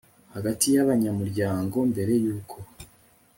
hagati y abanyamuryango mbere y uko